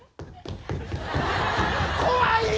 怖い！